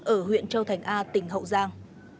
ở huyện châu thành a tỉnh hậu giang